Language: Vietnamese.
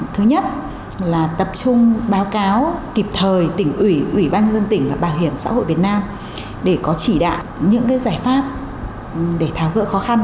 thứ nhất là tập trung báo cáo kịp thời tỉnh ủy ủy ban dân tỉnh và bảo hiểm xã hội việt nam để có chỉ đạo những giải pháp để tháo gỡ khó khăn